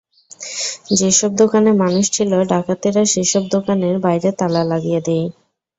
যেসব দোকানে মানুষ ছিল, ডাকাতেরা সেসব দোকানের বাইরে তালা লাগিয়ে দেয়।